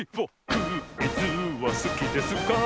クイズはすきですか？